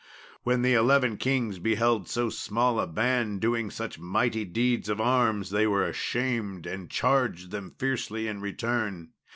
When the eleven kings beheld so small a band doing such mighty deeds of arms they were ashamed, and charged them fiercely in return.